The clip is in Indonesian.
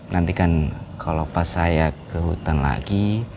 nantikan kalau pas saya ke hutan lagi